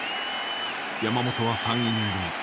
山本は３イニング目。